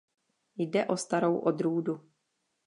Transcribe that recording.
Jde o starou odrůdu.